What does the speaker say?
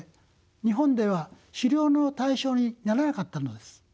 日本では狩猟の対象にならなかったのです。